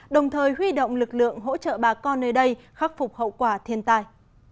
đồng thời huy động lực lượng hỗ trợ bà con nơi đây khắc phục hậu quả thiên tai